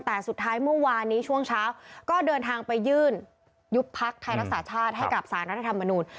แต่สุดท้ายเมื่อวานนี้ช่วงเช้าก็เดินทางไปยื่นยุบพักไทยรักษาชาติให้กับสารรัฐธรรมนูล